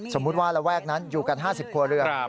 สมมุติว่าระแวกนั้นอยู่กัน๕๐ครัวเรือน